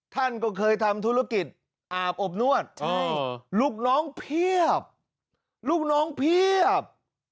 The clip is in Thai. ท่านก็เคยทำธุรกิจอาบอบนวดลูกน้องเพียบลูกน้องเพียบ